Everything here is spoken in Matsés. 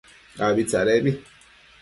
Abi tsadebi